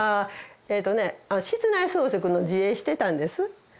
えっとね室内装飾の自営してたんです。